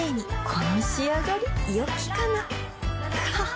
この仕上がりよきかなははっ